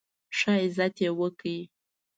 ښه عزت یې وکړ.